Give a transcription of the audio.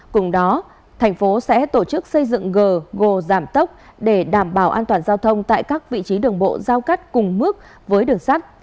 cùng đó thành phố sẽ tổ chức xây dựng gờ gồ giảm tốc để đảm bảo an toàn giao thông tại các vị trí đường bộ giao cắt cùng mức với đường sắt